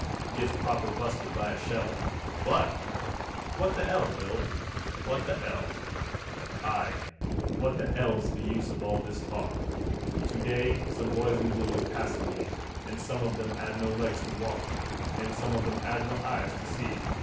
Gets proper busted by a shell, But ... wot the 'ell, Bill? Wot the 'ell? Ay, wot the 'ell's the use of all this talk? To day some boys in blue was passin' me, And some of 'em they 'ad no legs to walk, And some of 'em they 'ad no eyes to see.